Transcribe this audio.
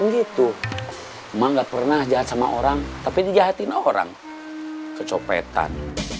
gitu emang gak pernah jahat sama orang tapi dijahatin orang kecopetan